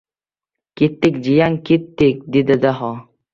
— Ketdik, jiyan, ketdik, — dedi Daho.